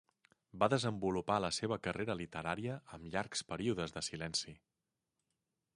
Va desenvolupar la seva carrera literària amb llargs períodes de silenci.